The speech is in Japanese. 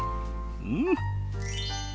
うん！